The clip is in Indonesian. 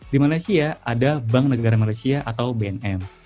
di malaysia ada bank negara malaysia atau bnm